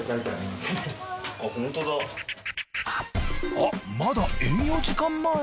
あっまだ営業時間前。